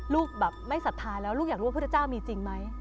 ลูกแบบไม่ศรัทธาแล้วลูกอยากรู้ว่าพุทธเจ้ามีจริงไหม